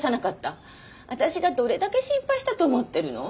あたしがどれだけ心配したと思ってるの？